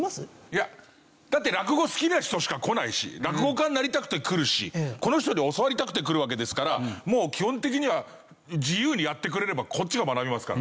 いやだって落語好きな人しか来ないし落語家になりたくて来るしこの人に教わりたくて来るわけですから基本的には自由にやってくれればこっちが学びますからね。